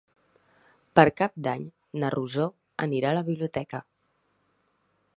Per Cap d'Any na Rosó anirà a la biblioteca.